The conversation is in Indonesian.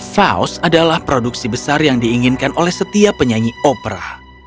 fause adalah produksi besar yang diinginkan oleh setiap penyanyi opera